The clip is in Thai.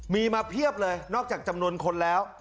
มีมาเพียบเลยนอกจากจำนวนคนแล้ว